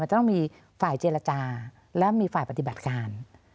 จะต้องมีฝ่ายเจรจาและมีฝ่ายปฏิบัติการ